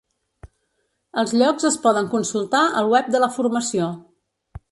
Els llocs es poden consultar al web de la formació.